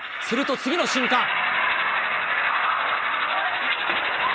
すると次の瞬間。